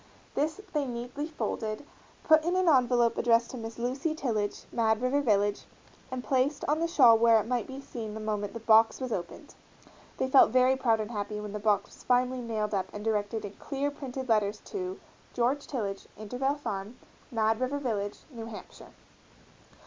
This they neatly folded, put in an envelope addressed to Miss Lucy Tillage, Mad River Village, and placed on the shawl where it might be seen the moment the box was opened. They felt very proud and happy when the box was finally nailed up and directed in clear printed letters to GEORGE TILLAGE, Intervale Farm, Mad River Village, New Hampshire.